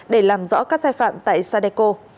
để làm rõ các sai phạm tại sadeco